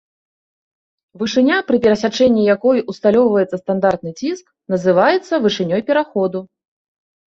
Вышыня, пры перасячэнні якой усталёўваецца стандартны ціск, называецца вышынёй пераходу.